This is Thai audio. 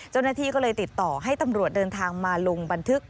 เจ้าหน้าที่ก็เลยติดต่อให้ตำรวจเดินทางมาลงบันทึก